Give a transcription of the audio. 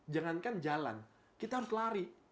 jangankan jalan kita harus lari